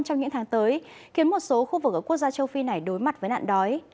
trong những tháng tới khiến một số khu vực ở quốc gia châu phi này đối mặt với nạn đói